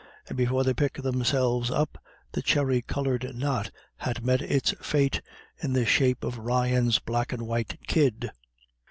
And before they picked themselves up, the cherry coloured knot had met its fate in the shape of the Ryans' black and white kid.